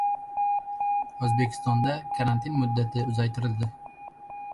O‘zbekistonda karantin muddati uzaytirildi